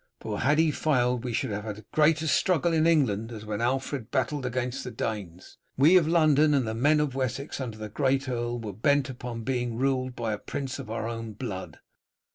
For had he failed we should have had as great a struggle in England as when Alfred battled against the Danes. We of London and the men of Wessex under the great Earl were bent upon being ruled by a prince of our own blood.